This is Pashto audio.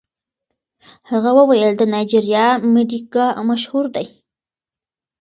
هغه وویل د نایجیریا مډیګا مشهور دی.